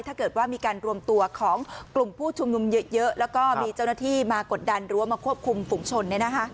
ถ้าเกิดว่ามีการรวมตัวของกลุ่มผู้ชุมนุมเยอะแล้วก็มีเจ้าหน้าที่มากดดันหรือว่ามาควบคุมฝุงชน